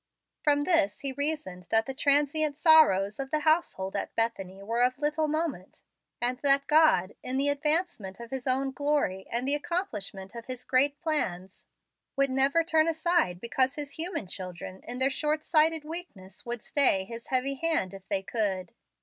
From this he reasoned that the transient sorrows of the household at Bethany were of little moment, and that God, in the advancement of His own glory and the accomplishment of His great plans, would never turn aside because His human children in their short sighted weakness would stay His heavy hand if they could.